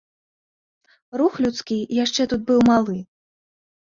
Рух людскі яшчэ тут быў малы.